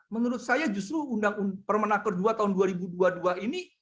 menurut saya justru permena ke dua tahun dua ribu dua puluh dua ini